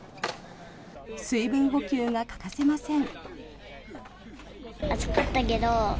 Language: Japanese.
水分補給が欠かせません。